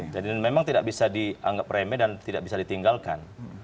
jadi memang tidak bisa dianggap remeh dan tidak bisa ditinggalkan